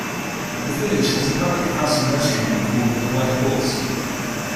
The village has a public house and restaurant called The White Horse.